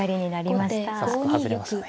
早速外れましたね。